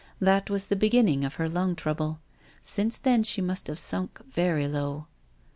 That was the beginning of her lung trouble. Since then she must have sunk very low."